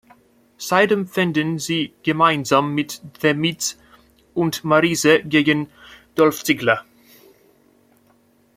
Seitdem fehden sie gemeinsam mit The Miz und Maryse gegen Dolph Ziggler.